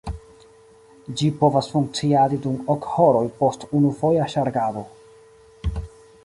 Ĝi povas funkciadi dum ok horoj post unufoja ŝargado.